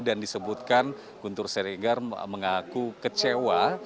dan disebutkan guntur siregar mengaku kecewa